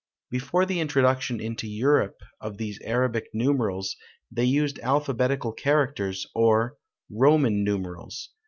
Before the introduction into Europe of these Arabic numerals, they used alphabetical characters, or Roman numerals.